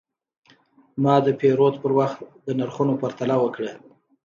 ما د پیرود پر وخت د نرخونو پرتله وکړه.